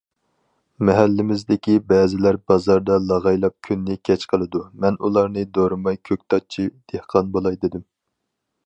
مەھەللىمىزدىكى بەزىلەر بازاردا لاغايلاپ كۈننى كەچ قىلىدۇ، مەن ئۇلارنى دورىماي كۆكتاتچى دېھقان بولاي دېدىم.